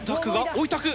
おいたく？